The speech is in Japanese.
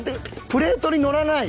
プレートにのらない。